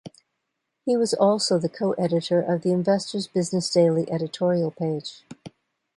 He was also the co-editor of the "Investor's Business Daily" editorial page.